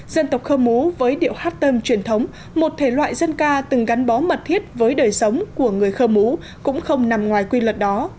dân tộc khơ mú với điệu hát tôm truyền thống một thể loại dân ca từng gắn bó mật thiết với đời sống của người khơ mú cũng không nằm ngoài quy luật đó